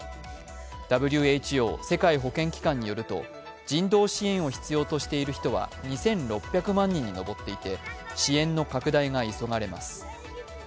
ＷＨＯ＝世界保健機関によると人道支援を必要としている人は２６００万人に上っていて支援の拡大が急がれます。